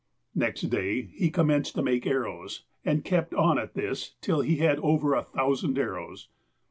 Next day he commenced to make arrows, and kept on at this till he had over a thousand arrows.